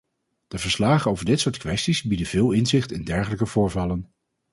De verslagen over dit soort kwesties bieden veel inzicht in dergelijke voorvallen.